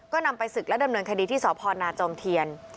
ก็นำไปศึกและดำเนินคดีที่สพนาจอมเทียน